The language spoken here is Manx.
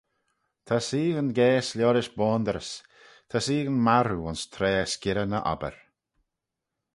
Ta seaghyn gaase liorish boandyrys, ta seaghyn marroo ayns traa s'girrey na obbyr.